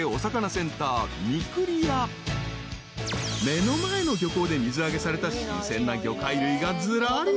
［目の前の漁港で水揚げされた新鮮な魚介類がずらり］